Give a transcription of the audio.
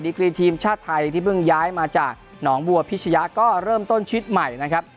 กรีทีมชาติไทยที่เพิ่งย้ายมาจากหนองบัวพิชยะก็เริ่มต้นชีวิตใหม่นะครับ